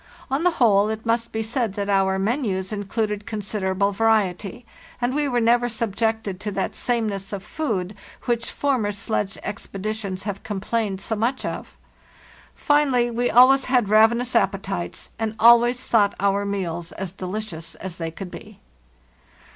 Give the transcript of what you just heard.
On the whole, it must be said that our menus Included con siderable variety, and we were never subjected to that sameness of food which former sledge expeditions have complained so much of. Finally, we always had raven ous appetites, and always thought our meals as delicious as they could be.